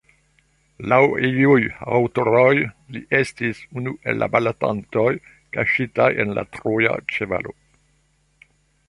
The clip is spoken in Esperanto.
Laŭ iuj aŭtoroj, li estis unu el la batalantoj kaŝitaj en la troja ĉevalo.